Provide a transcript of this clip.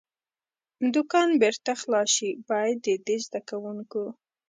دوکان بېرته خلاص شي، باید د دې زده کوونکو.